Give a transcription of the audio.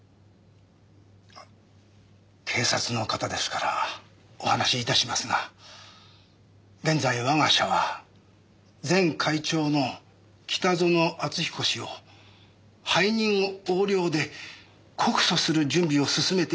警察の方ですからお話し致しますが現在我が社は前会長の北薗篤彦氏を背任横領で告訴する準備を進めている最中でして。